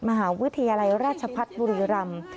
มหาวิทยาลัยราชพัฒน์บุรีรำ